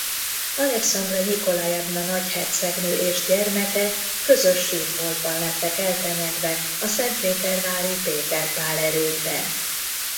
Alekszandra Nyikolajevna nagyhercegnő és gyermeke közös sírboltban lettek eltemetve a szentpétervári Péter-Pál erődben.